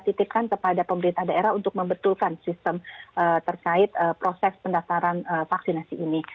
kita juga titikkan kepada pemerintah daerah untuk membetulkan sistem terkait proses pendaftaran vaksinasi ini